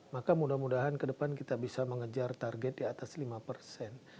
maka mudah mudahan ke depan kita bisa mengejar target di atas lima persen